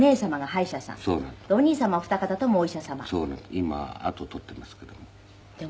今跡を取っていますけども。